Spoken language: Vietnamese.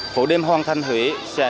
phố đêm hoàng thành huế